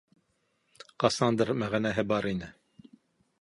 Ҡасандыр мәғәнәһе бар ине.